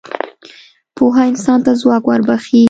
پوهه انسان ته ځواک وربخښي.